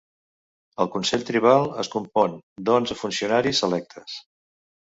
El consell tribal es compon d'onze funcionaris electes.